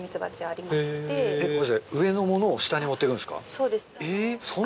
そうです。